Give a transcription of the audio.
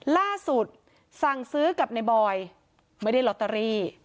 ล่าสุดสั่งซื้อกับในบอยไม่ได้ลอตเตอรี่